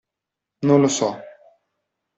Non lo so.